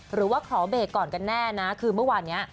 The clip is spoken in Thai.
หรือว่าขอเบรกก่อนกันแน่นะคือเมื่อวานนี้